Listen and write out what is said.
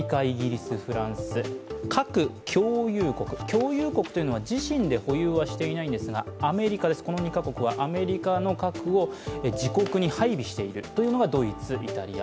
共有国というのは自身で保有していないんですがこの２か国はアメリカの核を配備しているというのがドイツ、イタリア。